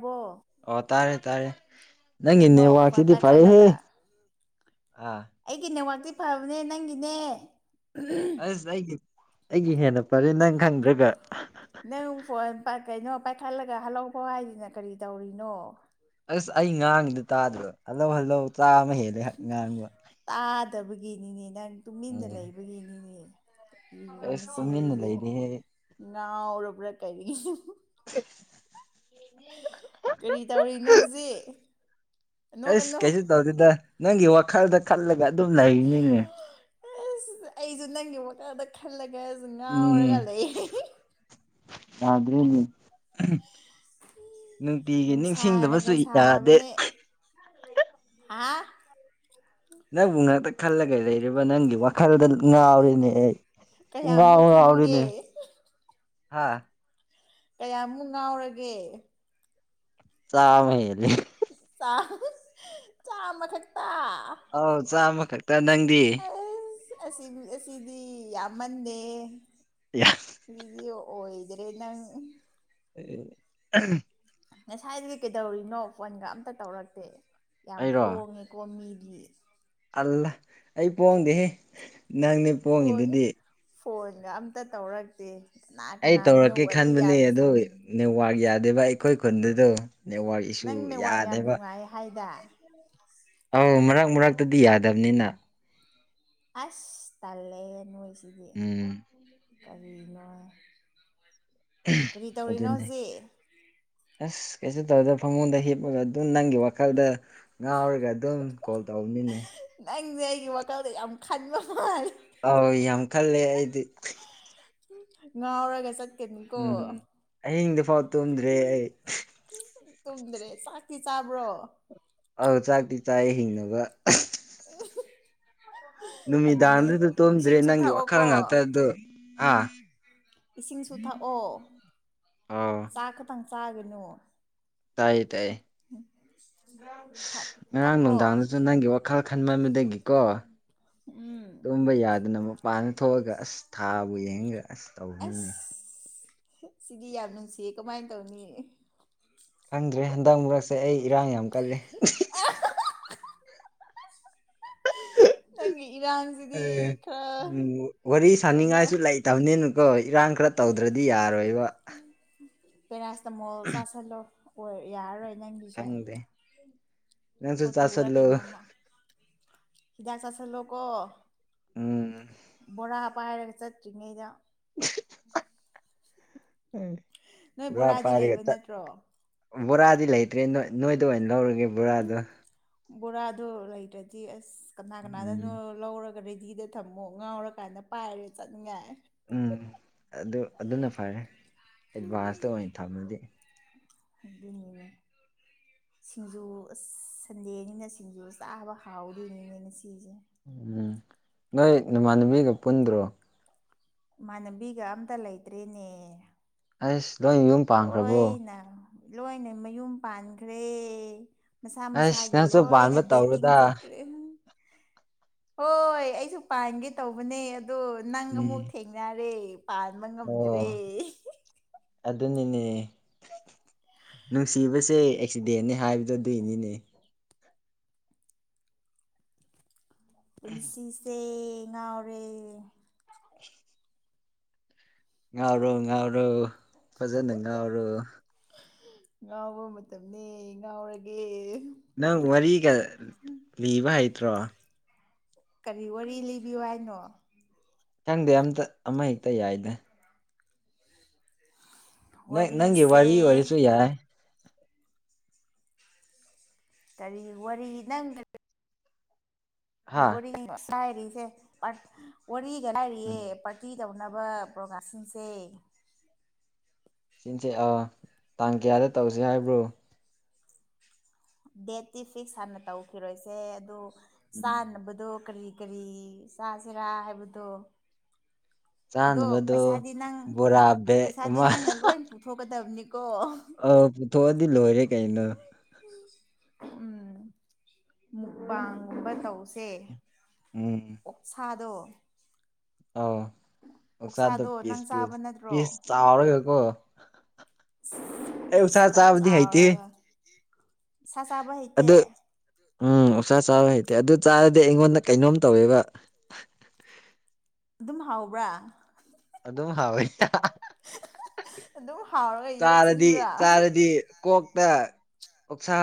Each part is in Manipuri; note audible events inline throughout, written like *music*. ꯕꯣ ꯑꯣ ꯇꯥꯔꯦ ꯇꯥꯔꯦ ꯅꯪꯒꯤ ꯀꯩꯅꯣ ꯐꯣꯟ ꯅꯦꯠꯋꯥꯛꯁꯤꯗꯤ ꯐꯔꯦꯍꯦ ꯄꯥꯏꯈꯠꯂꯒ ꯑꯥ ꯑꯩꯒꯤ ꯅꯦꯠꯋꯥꯛꯇꯤ ꯐꯕꯅꯦ ꯅꯪꯒꯤꯅꯦ ꯑꯁ ꯑꯩꯒꯤ ꯑꯩꯒꯤ ꯍꯦꯟꯅ ꯐꯔꯦ ꯅꯪ ꯈꯪꯗ꯭ꯔꯒ ꯅꯪ ꯐꯣꯟ ꯀꯩꯅꯣ ꯄꯥꯏꯈꯠꯂꯒ ꯍꯜꯂꯣꯐꯥꯎ ꯍꯥꯏꯗꯅ ꯀꯔꯤ ꯇꯧꯔꯤꯅꯣ ꯑꯁ ꯑꯩ ꯉꯥꯡꯉꯤꯗ ꯇꯥꯗ꯭ꯔꯣ ꯍꯜꯂꯣ ꯍꯜꯂꯣ ꯆꯥꯝꯃ ꯍꯦꯜꯂꯦ ꯉꯥꯡꯕ ꯐꯠꯇꯕꯒꯤꯅꯤꯅꯦ ꯅꯪ ꯇꯨꯃꯤꯟꯅ ꯎꯝ ꯂꯩꯕꯒꯤꯅꯤꯅꯦ ꯀꯔꯤꯔ ꯑꯁ ꯇꯨꯃꯤꯟꯅ ꯃꯁꯤꯁꯦ ꯂꯩꯇꯦꯍꯦ ꯑꯩ ꯉꯥꯎꯔꯕ꯭ꯔꯥ ꯀꯩꯔꯤꯅꯣ *inaudible* ꯀꯔꯤ ꯇꯧꯔꯤꯅꯣ ꯍꯧꯖꯤꯛ ꯑꯁ ꯅꯣꯛꯀꯅꯣ ꯀꯩꯁꯨ ꯇꯧꯗꯦꯗ ꯅꯪꯒꯤ ꯋꯥꯈꯜꯗ ꯈꯜꯂꯒ ꯑꯗꯨꯝ ꯂꯩꯔꯤꯅꯤꯅꯦ ꯑꯁ ꯑꯩꯁꯨ ꯅꯪꯒꯤ ꯋꯥꯈꯜꯗ ꯈꯜꯂꯒꯁꯨ ꯎꯝ ꯉꯥꯎꯔꯒ ꯂꯩ ꯌꯥꯗ꯭ꯔꯦꯅꯦ *inaudible* ꯅꯨꯡꯇꯤꯒꯤ ꯅꯤꯡꯁꯤꯡꯗꯕꯁꯨ ꯅꯨꯡꯁꯥꯅꯒ ꯌꯥꯗꯦ ꯁꯥꯕꯅꯦ ꯍꯥ ꯅꯪꯕꯨ ꯉꯥꯛꯇ ꯈꯜꯂꯒ ꯂꯩꯔꯤꯕ ꯅꯪꯒꯤ ꯋꯥꯈꯜꯗ ꯉꯥꯎꯔꯤꯅꯦ ꯑꯩ ꯀꯌꯥꯃꯨꯛ ꯈꯟꯒꯦ ꯍꯥꯥ ꯀꯌꯥꯃꯨꯛ ꯉꯥꯎꯔꯒꯦ ꯆꯥꯝꯃꯍꯦꯜꯂꯦ ꯆꯥ ꯍꯥꯍꯥ ꯆꯥꯝꯃꯈꯛꯇ ꯑꯥꯎ ꯆꯥꯝꯃ ꯈꯛꯇ ꯅꯪꯗꯤ ꯑꯁ ꯑꯁꯤ ꯑꯁꯤꯗꯤ ꯌꯥꯝꯃꯟꯗꯦ ꯌꯥ *unintelligible* ꯑꯣꯏꯗ꯭ꯔꯦ ꯅꯪ ꯑꯦ *unintelligible* ꯉꯁꯥꯏꯗꯒꯤ ꯀꯩꯗꯧꯔꯤꯅꯣ ꯐꯣꯟꯒ ꯑꯝꯇ ꯇꯧꯔꯛꯇꯦ ꯌꯥꯝ ꯄꯣꯡꯉꯦꯀꯣ ꯃꯤꯗꯤ ꯑꯜꯂꯦ ꯑꯩ ꯄꯣꯡꯗꯦꯍꯦ ꯅꯪꯅꯦ ꯄꯣꯡꯉꯦ ꯄꯣꯡꯉꯤꯗꯨꯗꯤ ꯐꯣꯟꯒ ꯑꯝꯇ ꯇꯧꯔꯛꯇꯦ ꯀꯅꯥ ꯑꯩ ꯀꯅꯥꯗꯅꯣ ꯇꯧꯔꯛꯀꯦ ꯋꯥꯔꯤ ꯈꯟꯕꯅꯦ ꯌꯥꯝꯅ ꯑꯗꯣ ꯁꯥꯟꯅꯩ ꯅꯦꯠꯋꯥ꯭ꯔꯛ ꯌꯥꯗꯦꯕ ꯑꯩꯈꯣꯏ ꯈꯨꯟꯗꯗꯣ ꯅꯦꯠꯋꯥ꯭ꯔꯛ ꯏꯁꯨ ꯅꯪ ꯅꯦꯋꯥꯛ ꯌꯥꯝ ꯌꯥꯗꯦꯕ ꯅꯨꯡꯉꯥꯏ ꯍꯥꯏꯗ ꯑꯧ ꯃꯔꯛ ꯃꯔꯛꯇꯗꯤ ꯌꯥꯗꯕꯅꯤꯅ ꯑꯁ ꯇꯜꯂꯦꯍꯦ ꯅꯣꯏꯁꯦ ꯎꯝ ꯀꯔꯤꯅꯣ ꯀꯔꯤ *unintelligible* ꯇꯧꯔꯤꯅꯣ ꯑꯗꯨꯅꯦ ꯍꯧꯖꯤꯛ ꯑꯁ ꯀꯩꯁꯨ ꯇꯧꯗ ꯐꯃꯨꯡꯗ ꯍꯤꯞꯄꯒ ꯗꯨꯝ ꯅꯪꯒꯤ ꯋꯥꯈꯜꯗ ꯉꯥꯎꯔꯒ ꯑꯗꯨꯝ ꯀꯣꯜ ꯇꯧꯕꯅꯤꯅꯦ ꯅꯪꯗꯤ ꯑꯩꯒꯤ ꯋꯥꯈꯜꯗ ꯌꯥꯝ ꯈꯟꯕ ꯃꯥꯜꯂꯤ ꯑꯥꯎ ꯌꯥꯝ ꯈꯜꯂꯦ ꯑꯩꯗꯤ *unintelligible* ꯉꯥꯎꯔꯒ ꯆꯠ ꯎꯝ ꯑꯍꯤꯡꯗ ꯐꯥꯎ ꯇꯨꯝꯗ꯭ꯔꯦ ꯑꯩ ꯇꯨꯝꯗ꯭ꯔꯦ ꯆꯥꯛꯇꯤ ꯆꯥꯕ꯭ꯔꯣ ꯑꯥꯎ ꯆꯥꯛꯇꯤ ꯆꯥꯏꯌꯦ ꯍꯤꯡꯅꯕꯥ ꯎ ꯍꯨ ꯍꯨ ꯅꯨꯃꯤꯗꯥꯡꯗꯨꯗ ꯇꯨꯝꯗ꯭ꯔꯦ ꯅꯪꯒꯤ ꯋꯥꯈꯜ ꯊꯛꯑꯣꯀꯣ ꯉꯥꯛꯇꯗꯣ ꯍꯥ ꯏꯁꯤꯡꯁꯨ ꯊꯛꯑꯣ ꯑꯥꯎ ꯆꯥꯛ ꯈꯇꯪ ꯆꯥꯒꯅꯨ ꯇꯥꯏꯌꯦ ꯇꯥꯏꯌꯦ ꯁ ꯊꯛ ꯉꯔꯥꯡ ꯊꯛꯄ꯭ꯔꯣ ꯅꯨꯡꯗꯥꯡꯗꯖꯨ ꯅꯪꯒꯤ ꯋꯥ ꯋꯥꯈꯜ ꯈꯟꯃꯟꯕꯗꯒꯤꯀꯣ ꯎꯝ ꯇꯨꯝꯕ ꯌꯥꯗꯅ ꯑꯃꯨꯛ ꯃꯄꯥꯟꯗ ꯊꯣꯛꯑꯒ ꯑꯁ ꯊꯥꯕꯨ ꯌꯦꯡꯉꯒ ꯑꯁ ꯇꯧꯕꯅꯤꯅꯦ ꯑꯁ ꯁꯤꯗꯤ ꯌꯥꯝ ꯅꯨꯡꯁꯤꯌꯦ ꯀꯃꯥꯏ ꯇꯧꯅꯤ ꯈꯪꯗ꯭ꯔꯦ ꯍꯟꯗꯛ ꯃꯔꯛꯁꯦ ꯑꯩ ꯏꯔꯥꯡ ꯌꯥꯝ ꯀꯜꯂꯦ ꯅꯪꯒꯤ ꯏꯔꯥꯡꯁꯤꯗꯤ ꯑꯦ ꯈꯔ ꯎꯝ ꯋꯥꯔꯤ ꯀꯩꯅꯣ ꯁꯅꯤꯡꯉꯥꯏꯁꯨ ꯂꯩꯇꯕꯅꯤꯅ ꯀꯣ ꯏꯔꯥꯡ ꯈꯔ ꯇꯧꯗ꯭ꯔꯗꯤ ꯌꯥꯔꯣꯏꯌꯦꯕ ꯄꯦꯔꯥꯁꯇꯃꯣꯜ ꯆꯥꯥꯁꯜꯂꯣ ꯍꯣꯏ ꯌꯥꯔꯔꯣꯏ ꯅꯪꯒꯤꯁꯦ ꯅꯪꯖꯨ ꯑꯣ ꯇꯨꯔ ꯆꯥꯁꯜꯂꯨ ꯀꯩꯅꯣꯝꯃ ꯍꯤꯗꯥꯛ ꯆꯥꯥꯁꯜꯂꯣꯀꯣ ꯎꯝ ꯕꯣꯔꯥ ꯄꯥꯏꯔꯒ ꯆꯠꯇ꯭ꯔꯤꯉꯩꯗ ꯑꯦ ꯅꯣꯏ ꯕꯣꯔꯥꯗꯤ ꯂꯩꯕ ꯅꯠꯇ꯭ꯔꯣ ꯕꯣꯔꯥꯗꯤ ꯂꯩꯇ꯭ꯔꯦ ꯅꯣꯏ ꯅꯣꯏꯗ ꯑꯣꯏꯅ ꯂꯧꯔꯒꯦ ꯕꯣꯔꯥꯗꯣ ꯕꯣꯔꯥꯗꯣ ꯂꯩꯇ꯭ꯔꯗꯤ ꯑꯁ ꯀꯅꯥ ꯀꯅꯥꯗꯅꯣ ꯎꯝ ꯂꯧꯔꯒ ꯔꯦ ꯗꯤꯗ ꯊꯝꯃꯣ ꯉꯥꯎꯔꯀꯥꯟꯗ ꯄꯥꯏꯔ ꯆꯠꯅꯤꯡꯉꯥꯏ ꯎꯝ ꯑꯗꯨ ꯑꯗꯨꯅ ꯐꯔꯦ ꯑꯦꯗꯚꯥꯟꯁꯇ ꯑꯣꯏꯅ ꯊꯝꯂꯗꯤ *unintelligible* ꯁꯤꯡꯖꯨ ꯑꯁ ꯁꯟꯗꯦꯅꯤꯅ ꯁꯤꯡꯖꯨ ꯆꯥꯕ ꯍꯥꯎꯗꯣꯏꯅꯤꯅꯦ ꯉ ꯁꯤꯖꯦ ꯎꯝ ꯅꯣꯏ ꯅꯃꯥꯟꯅꯕꯤꯒ ꯄꯨꯟꯗ꯭ꯔꯣ ꯏꯃꯥꯟꯅꯕꯤꯒ ꯑꯝꯇ ꯂꯩꯇ꯭ꯔꯦꯅꯦ ꯑꯩꯁ ꯂꯣꯏ ꯌꯨꯝ ꯄꯥꯟꯈ꯭ꯔꯕꯣ ꯂꯣꯏꯅ ꯂꯣꯏꯅ ꯃꯌꯨꯝ ꯄꯥꯟꯈ꯭ꯔꯦ ꯃꯁꯥ ꯑꯩꯁ ꯃꯁꯥꯒꯤ ꯅꯪꯁꯨ ꯂꯣꯏꯅ ꯄꯥꯟꯕ ꯗꯦꯇꯤꯡ ꯇꯧꯔꯣꯗ ꯆꯠꯈ꯭ꯔꯦ ꯍꯣꯏ ꯑꯩꯁꯨ ꯄꯥꯟꯒꯦ ꯇꯧꯕꯅꯦ ꯑꯗꯣ ꯅꯪ ꯎꯝ ꯑꯃꯨꯛ ꯊꯦꯡꯅꯔꯦ ꯄꯥꯟꯕ ꯉꯝꯗꯔꯦ ꯑꯣ ꯑꯗꯨꯅꯤꯅꯦ ꯅꯨꯡꯁꯤꯕꯁꯦ ꯑꯦꯛꯁꯤꯗꯦꯟꯅꯤ ꯍꯥꯏꯕꯗꯨ ꯗꯤꯅꯤꯅꯦ ꯄꯨꯟꯁꯤ ꯁꯦ ꯉꯥꯎꯔꯦ ꯉꯥꯎꯔꯣ ꯉꯥꯎꯔꯣ ꯐꯖꯅ ꯉꯥꯎꯔꯣ ꯉꯥꯎꯕ ꯃꯇꯝꯅꯤ ꯉꯥꯎꯔꯒꯦ ꯅꯪ ꯇ꯭ꯔꯣ ꯀꯔꯤ ꯋꯥꯔꯤ ꯂꯤꯕꯤꯌꯨ ꯍꯥꯏꯅꯣ ꯈꯪꯗꯦ ꯑꯝꯇ ꯑꯃ ꯍꯦꯛꯇ ꯌꯥꯏꯗ ꯅ ꯅꯪꯒꯤ ꯋꯥꯔꯤꯁꯦ ꯋꯥꯔꯤ ꯑꯣꯏꯔꯁꯨ ꯌꯥꯏ ꯀꯔꯤ ꯋꯥꯔꯤ ꯅꯪ ꯍꯥ ꯋꯥꯔꯤ ꯂꯤꯕ ꯂꯥꯢꯔꯤꯁꯦ ꯑꯁ ꯋꯥꯔꯤꯒ ꯂꯥꯏꯔꯤꯌꯦ ꯎꯝ ꯄꯥꯔꯇꯤ ꯇꯧꯅꯕ ꯄ꯭ꯔꯣꯒꯥꯝ ꯁꯤꯟꯁꯦ ꯁꯤꯟꯁꯦ ꯑꯥ ꯇꯥꯡ ꯀꯌꯥꯗ ꯇꯧꯁꯤ ꯍꯥꯏꯕ꯭ꯔꯣ ꯗꯦꯠꯇꯤ ꯐꯤꯛꯁ ꯍꯥꯟꯅ ꯇꯧꯈꯤꯔꯣꯏꯁꯦ ꯑꯗꯨ ꯎꯝ ꯆꯥꯅꯕꯗꯣ ꯀꯔꯤ ꯀꯔꯤ ꯆꯥꯁꯤꯔꯥ ꯍꯥꯏꯕꯗꯣ ꯑꯗꯣ ꯆꯥꯅꯕꯗꯣ ꯄꯩꯁꯥꯗꯤ ꯅꯪ ꯕꯣꯔꯥ ꯕꯦꯛ ꯄꯩꯁꯥꯗꯤ ꯑꯃ ꯅꯪꯅ ꯂꯣꯏ ꯄꯨꯊꯣꯛꯀꯗꯕꯅꯤ ꯑ ꯄꯨꯊꯣꯛꯑꯗꯤ ꯂꯣꯏꯔꯦ ꯀꯩꯅꯣ ꯎꯝ ꯃꯨꯛꯕꯥꯡꯒꯨꯝꯕ ꯇꯧꯁꯦ ꯎꯝ ꯑꯣꯛꯁꯥꯗꯣ ꯑꯥꯎ ꯑꯣꯛꯁꯥꯗꯣ ꯄꯤꯁ ꯅꯪ ꯄꯤꯁ ꯆꯥꯕ ꯄꯤꯁ ꯅꯠꯇ꯭ꯔꯣ ꯆꯥꯎꯔꯒꯀꯣ ꯑꯩ ꯄꯤꯁ ꯎꯁꯥ ꯈꯔ ꯆꯥꯕꯗꯤ ꯍꯩꯇꯦ ꯆꯥꯎꯔꯒ ꯁꯥ ꯆꯥꯕ ꯍꯩꯇꯦ ꯑꯗꯨ ꯎꯝ ꯑꯣꯛꯁꯥ ꯆꯥꯔ ꯍꯩꯇꯦ ꯑꯗꯨ ꯆꯥꯔꯗꯤ ꯑꯩꯉꯣꯟꯗ ꯀꯩꯅꯣꯝ ꯇꯧꯋꯦꯕ ꯑꯗꯨꯝ ꯍꯥꯎꯕ꯭ꯔꯥ ꯑꯗꯨꯝ ꯍꯥꯎꯋꯦ ꯑꯗꯨꯝ ꯍꯥꯎꯔꯒ ꯆꯥꯔꯗꯤ ꯌꯣꯠꯁꯤꯟꯕ꯭ꯔꯥ ꯆꯥꯔꯗꯤ ꯀꯣꯛ ꯇ ꯑꯣꯛꯁꯥ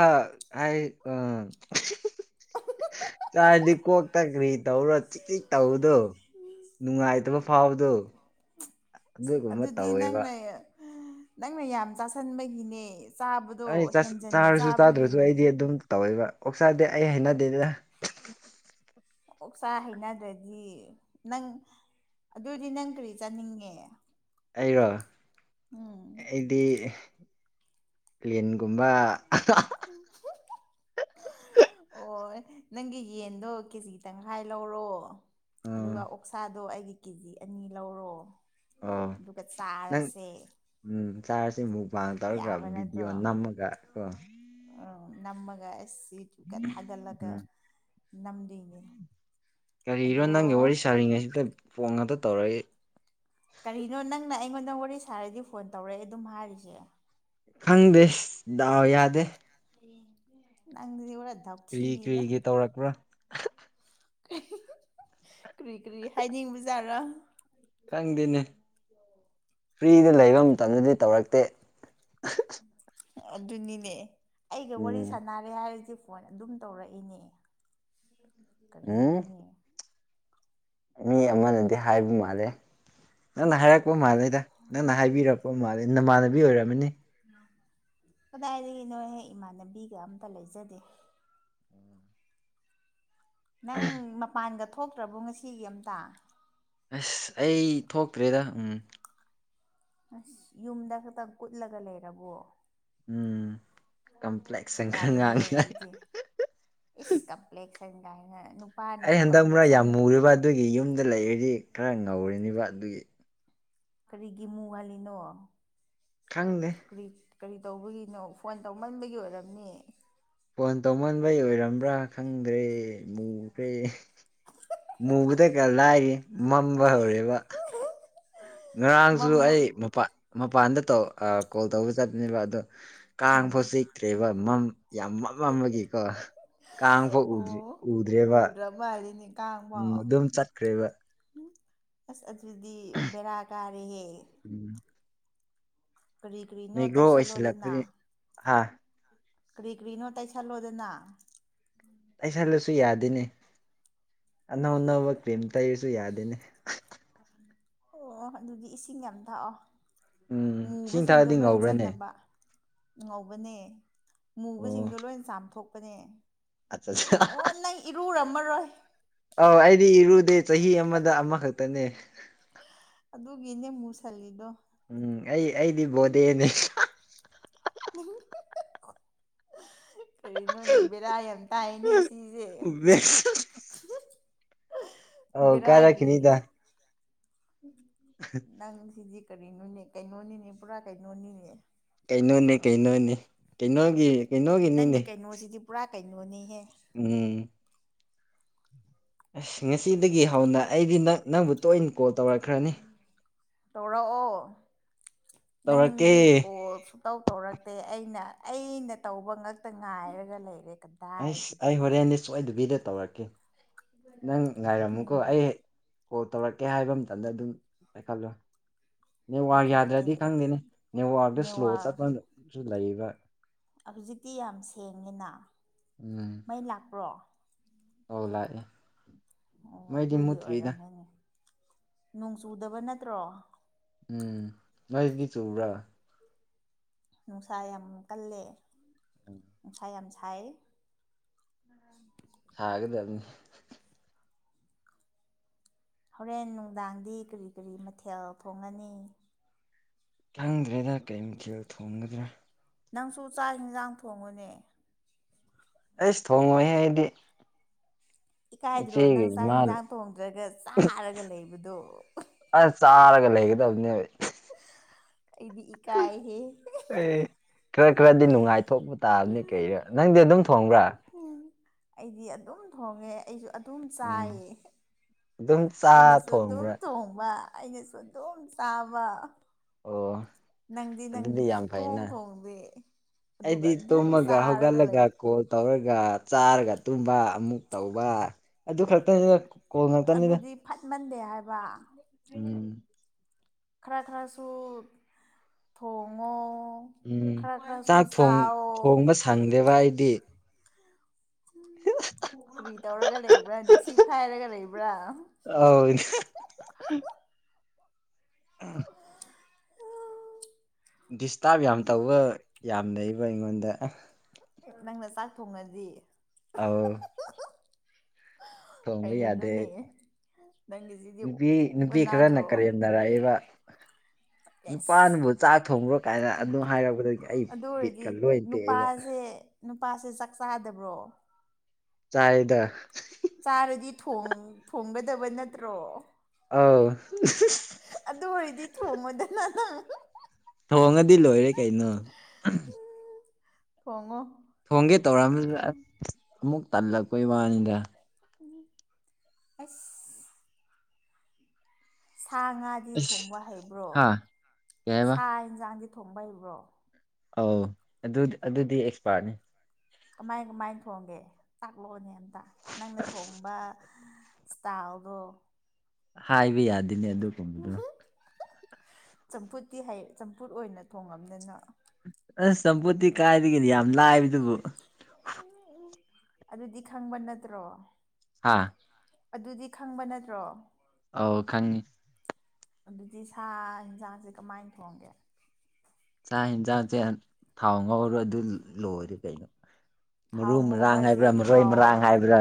ꯍꯥꯏ ꯑꯥ ꯆꯥꯔꯗꯤ ꯀꯣꯛꯇ ꯀꯔꯤ ꯇꯧꯔ ꯆꯤꯛ ꯆꯤꯛ ꯇꯧꯕꯗꯣ ꯅꯨꯡꯉꯥꯏꯇꯕ ꯐꯥꯎꯕꯗꯣ ꯑꯁ ꯑꯗꯨꯒꯨꯝꯕ ꯑꯗꯨꯗꯤ ꯇꯧꯋꯦꯕ ꯅꯪꯅ ꯅꯪꯅ ꯌꯥꯝ ꯆꯥꯁꯟꯕꯒꯤꯅꯦ ꯆꯥꯕꯗꯣ ꯑꯩ ꯆꯥꯁ ꯍꯦꯟꯖꯟꯅ ꯆꯥꯔꯁꯨ ꯆꯥꯗ꯭ꯔꯁꯨ ꯆꯥꯕꯒꯤꯅꯦ ꯑꯩꯗꯤ ꯑꯗꯨꯝ ꯇꯧꯋꯦꯕ ꯑꯣꯛꯆꯥꯗꯤ ꯑꯩ ꯍꯥꯏꯅꯗꯦꯗ ꯑꯣꯛꯁꯥ ꯍꯩꯅꯗ꯭ꯔꯗꯤ ꯅꯪ ꯑꯗꯨꯏꯗꯤ ꯅꯪ ꯀꯔꯤ ꯆꯥꯅꯤꯡꯉꯦ ꯑꯩꯔꯣ ꯎꯝ ꯑꯩꯗꯤ ꯂꯤꯟꯒꯨꯝꯕ ꯑꯍꯥ ꯍꯥ ꯑꯣ ꯅꯪꯒꯤ ꯌꯦꯟꯗꯣ ꯀꯦꯖꯤ ꯇꯪꯈꯥꯏ ꯂꯧꯔꯣ ꯑꯥ ꯑꯗꯨꯒ ꯑꯣꯛꯁꯥꯗꯣ ꯑꯩꯒꯤ ꯀꯦꯖꯤ ꯑꯅꯤ ꯂꯧꯔꯣ ꯑꯣ ꯑꯗꯨꯒ ꯅꯪ ꯆꯥꯔꯁꯦ ꯎꯝ ꯆꯥꯔꯁꯦ ꯃꯨꯛꯕꯥꯡ ꯇꯧꯔꯒ ꯌꯥꯕ ꯚꯤꯗꯤꯑꯣ ꯅꯠꯇ꯭ꯔꯣ ꯅꯝꯃꯒ ꯀꯣ ꯎꯝ ꯅꯝꯃꯒ ꯑꯁ ꯌꯨꯇꯤꯎꯞ ꯀ ꯊꯥꯒꯠꯂꯒ ꯎꯝ ꯅꯝꯗꯣꯏꯅꯦ ꯀꯔꯤꯔꯣ ꯑꯗꯣ ꯅꯪꯒ ꯋꯥꯔꯤ ꯁꯥꯔꯤꯉꯩꯁꯤꯗ ꯐꯣꯡ ꯉꯥꯛꯈ ꯇꯧꯔꯛꯏ ꯀꯔꯤꯅꯣ ꯅꯪꯅ ꯑꯩꯉꯣꯟꯗ ꯋꯥꯔꯤ ꯁꯥꯔꯗꯤ ꯐꯣꯟ ꯇꯧꯔꯛꯑꯦ ꯑꯗꯨꯝ ꯍꯥꯏꯔꯤꯁꯦ ꯈꯪꯗꯦ ꯗꯥꯎ ꯌꯥꯗꯦ ꯅꯪꯖꯤꯗꯤ ꯀꯔꯤ ꯀꯔꯤꯒꯤ ꯇꯧꯔꯛꯄ꯭ꯔꯥ ꯀꯔꯤ ꯀꯔꯤ ꯍꯥꯏꯅꯤꯡꯕꯖꯥꯠꯔꯣ ꯈꯪꯗꯦꯅꯦ ꯐ꯭ꯔꯤꯗ ꯂꯩꯕ ꯃꯇꯝꯗꯗꯤ ꯇꯧꯔꯛꯇꯦ ꯑꯗꯨꯅꯤꯅꯦ ꯑꯩꯒ ꯋꯥꯔꯤ ꯎꯝ ꯁꯥꯟꯅꯔꯦ ꯍꯥꯏꯔꯗꯤ ꯐꯣꯟ ꯑꯗꯨꯝ ꯇꯧꯔꯛꯏꯅꯦ ꯎꯝ ꯀꯔꯤꯅꯣꯅꯦ ꯃꯤ ꯑꯃꯅꯗꯤ ꯍꯥꯏꯕ ꯃꯥꯜꯂꯦ ꯅꯪꯅ ꯍꯥꯏꯔꯛꯄ ꯃꯥꯜꯂꯦꯗ ꯅꯪꯅ ꯍꯥꯏꯕꯤꯔꯛꯄ ꯃꯥꯜꯂꯦ ꯅꯃꯥꯟꯅꯕꯤ ꯑꯣꯏꯔꯝꯃꯅꯤ ꯀꯗꯥꯏꯗꯒꯤ ꯅꯣꯏꯍꯦꯛ ꯏꯃꯥꯟꯅꯕꯤꯒ ꯑꯝꯇ ꯂꯩꯖꯗꯦ ꯅꯪ ꯃꯄꯥꯟꯒ ꯊꯣꯛꯇ꯭ꯔꯕꯣ ꯉꯁꯤꯒꯤ ꯑꯝꯇ ꯑꯁ ꯑꯩ ꯊꯣꯛꯇ꯭ꯔꯦꯗ ꯎꯝ ꯑꯁ ꯌꯨꯝꯗ ꯈꯛꯇꯪ ꯀꯨꯠꯂꯒ ꯂꯩꯔꯕꯣ ꯎꯝ ꯀꯝꯄ꯭ꯂꯦꯛꯁꯟ ꯈꯔ ꯌꯥꯗꯦ ꯍꯦ ꯉꯥꯡꯉꯦ ꯑꯗꯨꯗꯤ ꯏꯁ ꯀꯝꯄ꯭ꯂꯦꯛꯁ ꯀꯅ ꯑꯩ ꯍꯟꯗꯛ ꯃꯨꯔꯥ ꯌꯥꯝ ꯃꯨꯔꯤꯕ ꯑꯗꯨꯒꯤ ꯌꯨꯝꯗ ꯂꯩꯔꯗꯤ ꯈꯔ ꯉꯧꯔꯤꯅꯦꯕ ꯑꯗꯨꯒꯤ ꯀꯔꯤꯒꯤ ꯃꯨꯍꯜꯂꯤꯅꯣ ꯈꯪꯗꯦ ꯀꯔꯤ ꯀꯔꯤ ꯇꯧꯕꯒꯤꯅꯣ ꯐꯣꯟ ꯇꯧꯃꯟꯕꯒꯤ ꯑꯣꯏꯔꯝꯅꯤ ꯐꯣꯟ ꯇꯧꯃꯟꯕꯩ ꯑꯣꯏꯔꯝꯕ꯭ꯔꯥ ꯈꯪꯗ꯭ꯔꯦ ꯃꯨꯈ꯭ꯔꯦ ꯃꯨꯕꯗꯒ ꯂꯥꯏꯔꯤꯌꯦ ꯃꯝꯕ ꯍꯧꯔꯦꯕ ꯉꯔꯥꯡꯁꯨ ꯃꯝꯃ ꯑꯩ ꯃꯄꯥꯟ ꯃꯄꯥꯟꯗ ꯀꯣꯜ ꯇꯧꯕ ꯆꯠꯄꯅꯦꯕ ꯑꯗꯣ ꯀꯥꯡ ꯎꯝ ꯐꯥꯎ ꯆꯤꯛꯇ꯭ꯔꯦꯕ ꯃꯝ ꯌꯥꯝ ꯃ ꯃꯝꯃꯒꯤꯀꯣ ꯀꯥꯡ ꯐꯥꯎ ꯎꯗ꯭ꯔꯤ ꯑꯣ ꯎꯗ꯭ꯔꯦꯕ ꯎꯗ꯭ꯔ ꯃꯥꯜꯂꯤꯅꯦ ꯎꯝ ꯀꯥꯡꯐꯥꯎ ꯑꯗꯨꯝ ꯆꯠꯈ꯭ꯔꯦꯕ ꯑꯁ ꯑꯗꯨꯗꯤ ꯕꯦꯔꯥ ꯀꯥꯔꯦꯍꯦ ꯎꯝ ꯀꯔꯤ ꯀꯔꯤꯅꯣ ꯇꯩꯁꯜꯂꯣꯗꯅ ꯍꯥꯥ ꯀ꯭ꯔꯤ ꯀ꯭ꯔꯤꯅꯣ ꯇꯩꯁꯜꯂꯣꯗꯅ ꯇꯩꯁꯜꯂꯁꯨ ꯌꯥꯗꯦꯅꯦ ꯑꯅꯧ ꯑꯅꯧꯕ ꯀ꯭ꯔꯤꯝ ꯇꯩꯔꯁꯤ ꯁꯨ ꯌꯥꯗꯦꯅꯦ ꯑꯣ ꯑꯗꯨꯗꯤ ꯏꯁꯤꯡ ꯌꯥꯝ ꯊꯛꯑꯣ ꯎꯝ ꯏꯁꯤꯡ ꯃꯨꯕꯁꯤꯡꯗꯣ ꯊꯛꯑꯗꯤ ꯂꯣꯏ ꯉꯧꯕ꯭ꯔꯅꯦ ꯆꯟꯅꯕ ꯉꯧꯕꯅꯦ ꯑꯣ ꯃꯨꯕꯁꯤꯡꯗꯣ ꯂꯣꯏ ꯆꯥꯝꯊꯣꯛꯄꯅꯦ ꯑꯠꯆꯥ ꯑꯠꯆꯥ ꯑꯣ ꯅꯪ ꯏꯔꯨ ꯔꯝꯃ ꯑꯧ ꯑꯩꯗꯤ ꯏꯔꯨꯗꯦ ꯆꯍꯤ ꯑꯃꯗ ꯑꯃꯈꯛꯇꯅꯦ ꯑꯗꯨꯗꯤꯅꯦ ꯃꯨꯁꯜꯂꯤꯗꯣ ꯎꯝ ꯑꯩ ꯑꯩꯗꯤ ꯕꯣꯗꯦꯅꯦ ꯀꯔꯤꯅꯣꯅꯦ ꯕꯦꯔꯥ ꯌꯥꯝ ꯇꯥꯏꯅꯦ ꯁꯤꯁꯦ *unintelligible* ꯑꯧ ꯕꯦꯔꯥꯒꯤ ꯀꯥꯔꯛꯈꯤꯅꯤꯗ ꯅꯪ ꯁꯤꯗꯤ ꯀꯔꯤꯅꯣꯅꯦ ꯀꯩꯅꯣꯅꯤꯅꯦ ꯄꯨꯔꯥ ꯀꯩꯅꯣꯅꯤꯅꯦ ꯀꯩꯅꯣꯅꯤ ꯀꯩꯅꯣꯅꯦ ꯀꯩꯅꯣꯒꯤ ꯅꯪꯒꯤ ꯀꯩꯅꯣꯒꯤꯅꯤꯅꯦ ꯀꯩꯅꯣꯁꯤꯗꯤ ꯄꯨꯔꯥ ꯀꯩꯅꯣꯅꯤꯍꯦ ꯎꯝ ꯑꯁ ꯉꯁꯤꯗꯒꯤ ꯍꯧꯅ ꯑꯩꯗꯤ ꯅꯪ ꯅꯪꯕꯨ ꯇꯣꯏꯅ ꯀꯣꯜ ꯇꯧꯔꯛꯈ꯭ꯔꯅꯤ ꯇꯧꯔꯛꯑꯣ ꯇꯧꯔꯛꯀꯦ ꯅꯪꯗꯤ ꯀꯣꯜ ꯁꯨꯇꯧ ꯇꯧꯔꯛꯇꯦ ꯑꯩꯅ ꯑꯩꯅ ꯇꯧꯕ ꯉꯛꯇ ꯉꯥꯏꯔꯒ ꯂꯩꯔꯦ ꯑꯩꯁ ꯀꯗꯥꯏꯗꯒꯤ ꯑꯩ ꯍꯣꯔꯦꯟꯗꯤ ꯁꯣꯏꯗꯕꯤꯗ ꯇꯧꯔꯛꯀꯦ ꯅꯪ ꯉꯥꯏꯔꯝꯃꯨꯀꯣ ꯎꯝ ꯑꯩ ꯀꯣꯜ ꯇꯧꯔꯛꯀꯦ ꯍꯥꯏꯕ ꯃꯇꯝꯗ ꯑꯗꯨꯝ ꯄꯥꯏꯈꯠꯂꯨ ꯅꯦꯠꯋꯥꯔꯛ ꯄꯥꯏꯈꯠꯀꯦ ꯌꯥꯗ꯭ꯔꯗꯤ ꯈꯪꯗꯦꯅꯦ ꯅꯦꯠꯋꯥꯥꯛꯇ ꯁ꯭ꯂꯣ ꯅꯦꯠꯋꯥꯛ ꯆꯠꯄꯁꯨ ꯂꯩꯕ ꯍꯧꯖꯤꯛꯇꯤ ꯌꯥꯝ ꯁꯦꯡꯉꯦꯅ ꯎꯝ ꯃꯩ ꯂꯥꯛꯄ꯭ꯔꯣ ꯑꯧ ꯂꯥꯛꯑꯦ ꯑꯣ ꯃꯩꯗꯤ ꯑꯗꯨꯒꯤ ꯃꯨꯠꯇ꯭ꯔꯤꯗ ꯑꯣꯏꯔꯝꯒꯅꯤ ꯅꯣꯡ ꯆꯨꯗꯕ ꯅꯠꯇ꯭ꯔꯣ ꯎꯝ ꯅꯣꯏꯗꯤ ꯆꯨꯕ꯭ꯔꯥ ꯅꯨꯡꯁꯥ ꯌꯥꯝ ꯀꯜꯂꯦ ꯅꯨꯡꯁꯥ ꯌꯥꯝ ꯢꯍꯩꯢꯢꯢꯢꯢ ꯍꯥꯏꯒꯗꯝꯅꯤ ꯍꯣꯔꯦꯟ ꯅꯨꯡꯗꯥꯡꯗꯤ ꯀꯔꯤ ꯀꯔꯤ ꯃꯊꯦꯜ ꯊꯣꯡꯉꯅꯤ ꯈꯪꯗ꯭ꯔꯦꯗ ꯀꯩ ꯃꯊꯦꯜ ꯊꯣꯡꯒꯗ꯭ꯔꯥ ꯅꯪꯁꯨ ꯆꯥꯛ ꯏꯟꯁꯥꯡ ꯊꯣꯡꯉꯨꯅꯦ ꯑꯩꯁ ꯊꯣꯡꯉꯣꯏꯍꯦ ꯑꯩꯗꯤ ꯏꯀꯥꯏꯗ꯭ꯔꯣ ꯏꯆꯦꯒ ꯅꯪ ꯆꯥꯛ ꯏꯃꯥꯅ ꯌꯦꯟꯁꯥꯡ ꯊꯣꯡꯗ꯭ꯔꯒ ꯆꯥꯔꯒ ꯂꯩꯕꯗꯨ ꯑꯁ ꯆꯥꯔꯒ ꯂꯩꯒꯗꯕꯅꯦꯕ ꯑꯩꯗꯤ ꯏꯀꯥꯏꯍꯦ ꯑꯦ ꯈꯔ ꯈꯔꯗꯤ ꯅꯨꯡꯉꯥꯏꯊꯣꯛꯄ ꯇꯥꯕꯅꯤ ꯀꯩꯔ ꯅꯪꯗꯤ ꯑꯗꯨꯝ ꯊꯣꯡꯕ꯭ꯔꯥ ꯑꯩꯗꯤ ꯑꯗꯨꯝ ꯊꯣꯡꯉꯦ ꯑꯩꯁꯨ ꯑꯗꯨꯝ ꯎꯝ ꯆꯥꯏꯌꯦ ꯑꯗꯨꯝ ꯆꯥ ꯑꯩꯅꯁꯨ ꯑꯗꯨꯝ ꯊꯣꯡꯕ꯭ꯔꯥ ꯊꯣꯡꯕ ꯑꯩꯅꯁꯨ ꯑꯗꯨꯝ ꯆꯥꯕ ꯑꯣ ꯅꯪꯗꯤ ꯑꯗꯨꯗꯤ ꯅꯪꯗꯤ ꯌꯥꯝ ꯁꯨꯛꯊꯣꯡ ꯐꯩꯅ ꯊꯣꯡꯗꯦ ꯑꯗꯨꯒ ꯑꯩꯗꯤ ꯑꯗꯨꯝ ꯇꯨꯝꯃꯒ ꯆꯥꯔꯒ ꯍꯧꯒꯠꯂꯒ ꯂꯩ ꯀꯣꯜ ꯇꯧꯔꯒ ꯆꯥꯔꯒ ꯇꯨꯝꯕ ꯑꯃꯨꯛ ꯇꯧꯕ ꯑꯗꯨ ꯈꯛꯇꯅꯤꯅ ꯑꯗꯨꯗꯤ ꯐꯠꯃꯟꯗꯦ ꯍꯥꯏꯕ ꯎꯝ ꯈꯔ ꯈꯔꯁꯨ ꯊꯣꯡꯉꯣ ꯎꯝ ꯈꯔ ꯈꯔꯁꯨ ꯆꯥꯛ ꯆꯥꯎ ꯊꯣꯡꯕ ꯁꯪꯗꯦꯕ ꯑꯩꯗꯤ ꯀꯔꯤ ꯇꯧꯔꯒ ꯂꯩꯕ꯭ꯔꯥꯅꯊꯤ ꯐꯥꯏꯔꯒ ꯂꯩꯕ꯭ꯔꯥ ꯑꯧ *inaudible* *inaudible* ꯗꯤꯁꯇꯥꯔꯕ ꯌꯥꯝ ꯇꯧꯕ ꯌꯥꯝꯅꯩꯕ ꯑꯩꯉꯣꯟꯗ ꯅꯪꯅ ꯆꯥꯛ ꯊꯣꯡꯉꯗꯤ ꯑꯧ ꯊꯣꯡꯕ ꯌꯥꯗꯦ ꯀꯔꯤꯅꯣꯅꯦ ꯅꯪꯒꯤꯁꯤꯗꯤ ꯅꯨꯄꯤ ꯅꯨꯄꯤ ꯈꯥꯔꯅ ꯑꯣꯟꯅꯗ꯭ꯔꯣ ꯀꯔꯦꯝꯅꯔꯛꯑꯦꯕ ꯑꯦꯁ ꯅꯨꯄꯥꯅꯕꯨ ꯆꯥꯛ ꯊꯣꯡꯈ꯭ꯔꯣ ꯀꯥꯏꯅ ꯑꯗꯨ ꯍꯥꯏꯔꯛꯄꯗꯒꯤ ꯑꯩ ꯑꯗꯨ ꯕꯤꯠꯀ ꯑꯣꯏꯔꯗꯤ ꯂꯣꯏ ꯇꯦꯛꯑꯦꯕ ꯅꯨꯄꯥꯁꯦ ꯅꯨꯄꯥꯁꯦ ꯆꯥꯛ ꯆꯥꯗꯕ꯭ꯔꯣ ꯆꯥꯏꯗ ꯆꯥꯔꯗꯤ ꯊꯣꯡ ꯊꯣꯡꯒꯗꯕ ꯅꯠꯇ꯭ꯔꯣ ꯑꯧ ꯑꯗꯨ ꯑꯣꯏꯔꯗꯤ ꯊꯣꯡꯉꯣꯗꯅ ꯅꯪ ꯊꯣꯡꯉꯗꯤ ꯂꯣꯏꯔꯦ ꯀꯩꯅꯣ ꯊꯣꯡꯉꯣ ꯊꯣꯡꯒꯦ ꯇꯧꯔꯛꯑꯝꯗꯨꯗ ꯑꯃꯨꯛ ꯇꯜꯂꯛꯄꯩ ꯋꯥꯅꯤꯗ ꯑꯁ ꯁꯥ ꯉꯥꯗꯤ ꯑꯁ ꯊꯣꯡꯕ ꯍꯩꯕ꯭ꯔꯣ ꯍꯥ ꯀꯩ ꯍꯥꯏꯕ ꯁꯥ ꯏꯟꯁꯥꯡꯗꯤ ꯊꯣꯡꯕ ꯍꯩꯕ꯭ꯔꯣ ꯑꯧ ꯑꯗꯨ ꯑꯗꯨꯗꯤ ꯑꯦꯛꯁꯄꯥꯔꯠꯅꯦ ꯀꯃꯥꯏ ꯀꯃꯥꯏ ꯊꯣꯡꯒꯦ ꯇꯥꯛꯂꯛꯑꯣꯅꯦ ꯑꯝꯇ ꯅꯪꯅ ꯊꯣꯡꯕ ꯁ꯭ꯇꯥꯥꯏꯜꯗꯣ ꯍꯥꯏꯕ ꯌꯥꯗꯦꯅꯦ ꯑꯗꯨꯒꯨꯝꯕꯗꯣ ꯆꯝꯐꯨꯠꯇꯤ ꯍꯩ ꯆꯝꯐꯨꯠ ꯑꯣꯏꯅ ꯊꯣꯡꯉꯝꯗꯅ ꯑꯁ ꯆꯝꯐꯨꯠꯇꯤ ꯀꯥꯏꯗꯒꯤꯅꯤ ꯌꯥꯝ ꯂꯥꯏꯕꯗꯨꯕꯨ ꯑꯗꯨꯗꯤ ꯈꯪꯕ ꯅꯠꯇ꯭ꯔꯣ ꯍꯥꯥ ꯑꯗꯨꯗꯤ ꯈꯪꯕ ꯅꯠꯇ꯭ꯔꯣ ꯑꯥꯎ ꯈꯪꯉꯤ ꯑꯗꯨꯗꯤ ꯁꯥ ꯏꯟꯁꯥꯡꯁꯦ ꯀꯃꯥꯏꯅ ꯊꯣꯡꯒꯦ ꯆꯥꯛ ꯏꯟꯁꯥꯡꯁꯦ ꯊꯥꯎ ꯉꯧꯔꯣ ꯑꯗꯨ ꯂꯣꯏꯔꯦ ꯀꯩꯅꯣ ꯊꯥꯎ ꯃꯔꯨ ꯉꯧꯕ ꯃꯔꯥꯡ ꯍꯥꯏꯁꯦ ꯍꯥꯏꯕ꯭ꯔꯥ ꯃꯔꯣꯏ ꯊꯥꯎ ꯃꯔꯥꯡ ꯍꯥꯏꯕ꯭ꯔꯥ